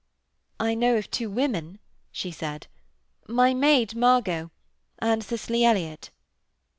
'I know of two women,' she said; 'my maid Margot and Cicely Elliott.'